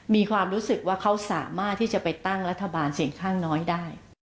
มีความรู้สึกว่าเขาสามารถที่จะไปตั้งรัฐบาลเสียงข้างน้อยได้